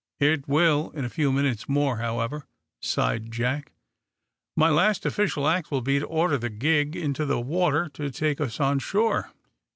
"It will, in a few minutes more, however," sighed Jack. "My last official act will be to order the gig into the water to take us on shore.